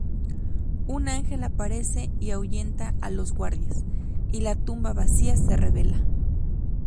Un ángel aparece y ahuyenta a los guardias, y la tumba vacía se revela.